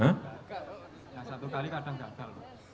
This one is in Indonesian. yang satu kali kadang gagal